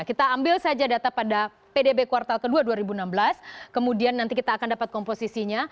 kita ambil saja data pada pdb kuartal ke dua dua ribu enam belas kemudian nanti kita akan dapat komposisinya